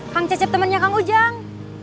kang cecep temannya kang ujang